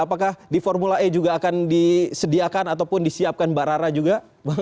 apakah di formula e juga akan disediakan ataupun disiapkan mbak rara juga